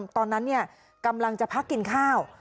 ตอนนั้นกำลังจะพักกินข้าว